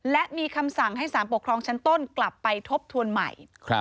และมีคำสั่งให้สารปกครองชั้นต้นกลับไปทบทวนใหม่